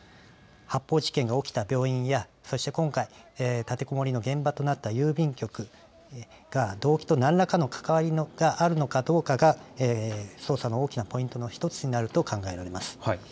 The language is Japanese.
発砲事件が起きた病院やそして今回立てこもりの現場となった郵便局が動機と何らかの関わりがあるのかどうかが捜査の大きなポイントの一つになると考えられます。